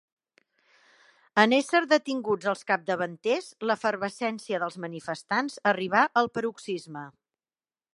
En ésser detinguts els capdavanters, l'efervescència dels manifestants arribà al paroxisme.